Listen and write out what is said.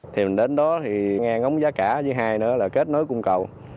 thì mình đến đó thì ngang ngóng giá cả với hai nữa là kết nối cung cầu